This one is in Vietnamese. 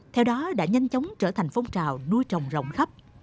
theo đó đã nhanh chóng trở thành phong trào nuôi trồng rộng khắp